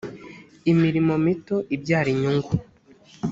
imirimo mito ibyara inyungu